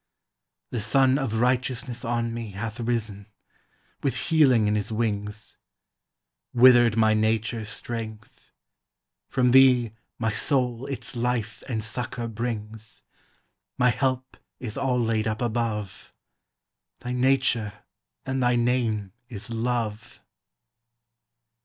The Sun of Righteousness on me Hath risen, with healing in his wings; Withered my nature's strength; from thee My soul its life and succor brings; My help is all laid up above; Thy nature and thy name is Love.